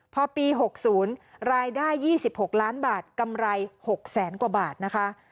พอปี๖๐รายได้๒๖ล้านบาทกำไร๖แสนกว่าบาทนะคะ